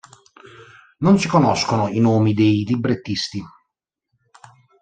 Non si conoscono i nomi dei librettisti.